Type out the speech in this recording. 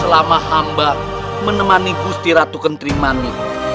selama hamba menemani gusti ratu kentrimani